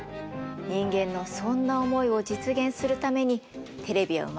人間のそんな思いを実現するためにテレビは生まれました。